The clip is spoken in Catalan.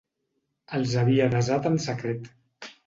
Els havia desat en secret.